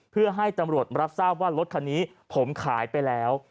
เพื่อให้ตำรวจรับทราบว่ารถคันนี้ผมขายไปแล้ว